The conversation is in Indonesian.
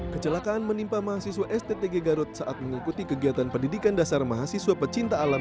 kecelakaan menimpa mahasiswa sttg garut saat mengikuti kegiatan pendidikan dasar mahasiswa pecinta alam